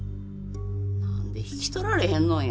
何で引き取られへんのんや。